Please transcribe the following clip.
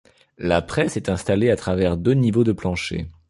La presse est installée à travers deux niveaux de plancher.